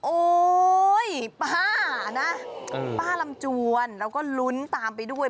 โอ๊ยป้านะป้าลำจวนแล้วก็ลุ้นตามไปด้วย